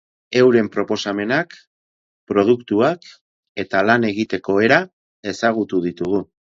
Euren proposamenak, produktuak eta lan egiteko era ezagutu ditugu.